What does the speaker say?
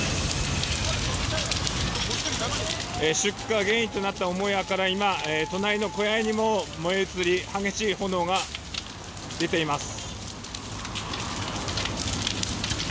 出火原因となった母屋から今、隣の小屋にも燃え移り激しい炎が出ています。